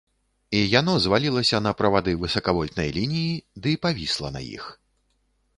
І яно звалілася на правады высакавольтнай лініі ды павісла на іх.